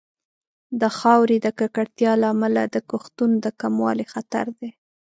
د خاورې د ککړتیا له امله د کښتونو د کموالي خطر دی.